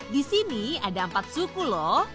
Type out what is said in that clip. di sini ada empat suku lho